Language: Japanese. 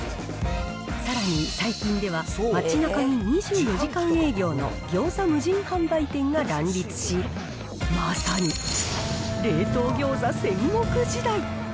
さらに最近では、街なかに２４時間営業の餃子無人販売店が乱立し、まさに冷凍餃子戦国時代。